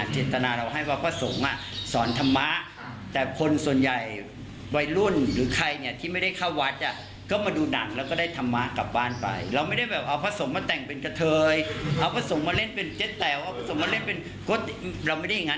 ชัดเลยว่าไม่ได้คิดแบบนั้นจริง